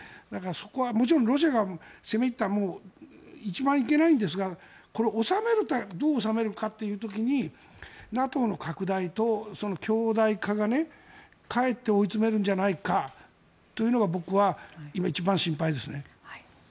そこはもちろんロシアが攻め入ったのは一番いけないんですがこれはどう収めるかという時にＮＡＴＯの拡大と強大化がかえって追い詰めるんじゃないかというのが僕は今、一番心配ですね。